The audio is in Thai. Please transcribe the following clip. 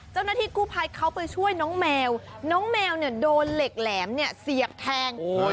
เจ้าหน้าที่กู้ภัยเขาไปช่วยน้องแมวน้องแมวเนี่ยโดนเหล็กแหลมเนี่ยเสียบแทง